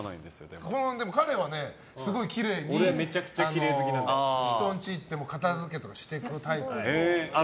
彼はすごいきれいに人の家に行っても片づけとかしていくタイプ。